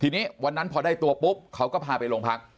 ทีนี้วันนั้นพอได้ตัวปุ๊บเขาก็พาไปโรงพัก